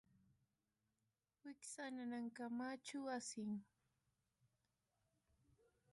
wiksa nanankamachu asin